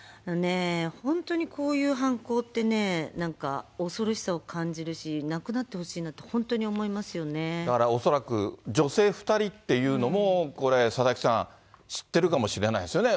本当にこういう犯行ってね、なんか恐ろしさを感じるし、なくなってほしいなって本当に思いまだから恐らく、女性２人っていうのも、これ、佐々木さん、知ってるかもしれないですよね。